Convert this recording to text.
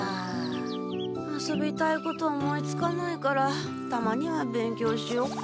遊びたいこと思いつかないからたまには勉強しようか。